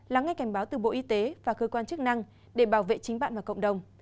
lắng nghe cảnh báo từ bộ y tế và cơ quan chức năng để bảo vệ chính bạn và cộng đồng